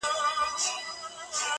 دومره پوه سوه چي مېږیان سره جنګېږي!!